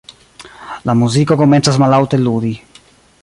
La muziko komencas mallaŭte ludi.